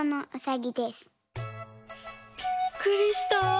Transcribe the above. びっくりした！